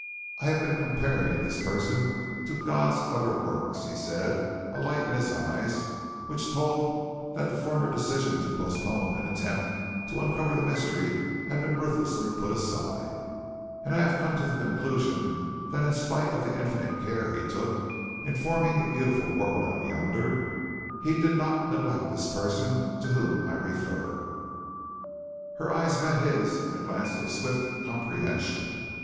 "I have been comparing this person to God's other works," he said, a light in his eyes which told that the former decision to postpone an attempt to uncover the mystery had been ruthlessly put aside, "and I have come to the conclusion that in spite of the infinite care he took in forming the beautiful world out yonder he did not neglect this person to whom I refer." Her eyes met his in a glance of swift comprehension.